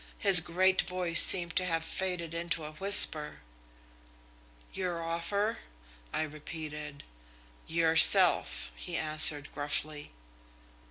His great voice seemed to have faded into a whisper. "'Your offer?' I repeated. "'Yourself,' he answered gruffly."